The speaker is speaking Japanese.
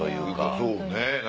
そうね。